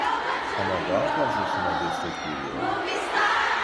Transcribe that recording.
Ama daha fazlasına destek veriyordu